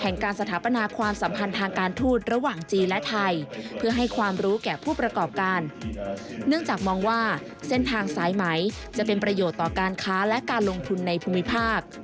เนื่องจากมองว่าเส้นทางสายไหมจะเป็นประโยชน์ต่อการค้าและการลงทุนในภูมิภาค